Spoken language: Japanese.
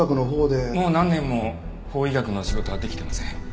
もう何年も法医学の仕事は出来てません。